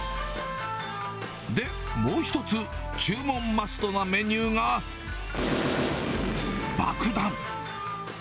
で、もう一つ注文マストなメニューが、ばくだん。